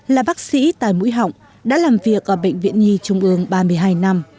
là bác sĩ tài mũi họng đã làm việc ở bệnh viện nhi trung ương ba mươi hai năm